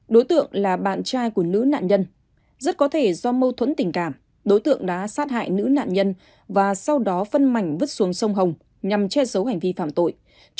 đối tượng là bạn trai của nữ nạn nhân rất có thể do mâu thuẫn tình cảm đối tượng đã sát hại nữ nạn nhân và sau đó phân mảnh vứt xuống sông hồng nhằm che giấu hành vi phạm tội